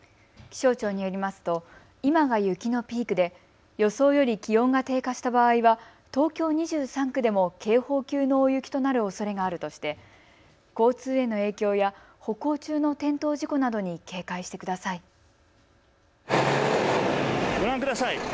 気象庁によりますと今が雪のピークで予想より気温が低下した場合は東京２３区でも警報級の大雪となるおそれがあるとして交通への影響や歩行中の転倒事故などに警戒してください。